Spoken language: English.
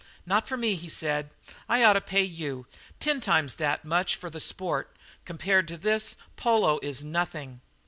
"Not for me," he said, "I ought to pay you ten times that much for the sport compared to this polo is nothing."